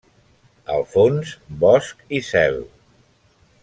Al fons, bosc i cel.